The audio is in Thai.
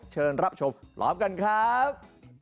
เชิญรับชมพร้อมกันครับ